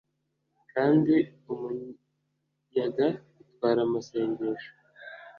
kandi umuyaga utwara amasengesho;